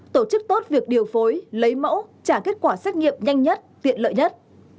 tổ chức tốt việc điều phối lấy mẫu trả kết quả xét nghiệm nhanh nhất tiện lợi nhất